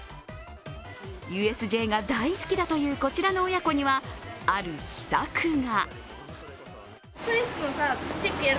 ＵＳＪが大好きだというこちらの親子には、ある秘策が。